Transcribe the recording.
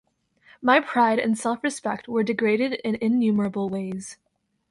My pride and self-respect were degraded in innumerable ways.